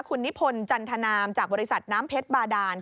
คุณนิพนธ์จันทนามจากบริษัทน้ำเพชรบาดาน